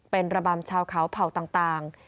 เป็นระบำชาวเขาเผ่าต่าง